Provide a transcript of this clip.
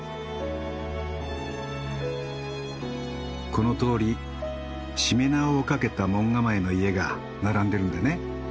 この通りしめ縄をかけた門構えの家が並んでるんだね。